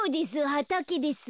はたけです。